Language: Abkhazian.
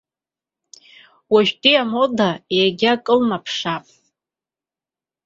Уажәтәи амода егьа кылнаԥшаап.